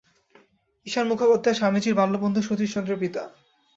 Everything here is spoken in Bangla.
ঈশান মুখোপাধ্যায় স্বামীজীর বাল্যবন্ধু সতীশচন্দ্রের পিতা।